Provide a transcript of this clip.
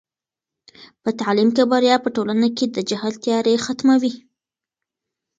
په تعلیم کې بریا په ټولنه کې د جهل تیارې ختموي.